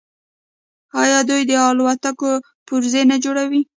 آیا دوی د الوتکو پرزې نه جوړوي؟